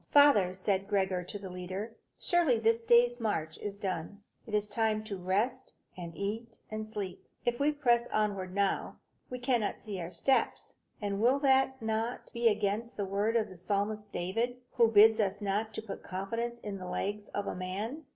"Father," said Gregor to the leader, "surely this day's march is done. It is time to rest, and eat, and sleep. If we press onward now, we cannot see our steps; and will not that be against the word of the psalmist David, who bids us not to put confidence in the legs of a man?"